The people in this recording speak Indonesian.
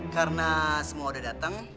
karena semua udah datang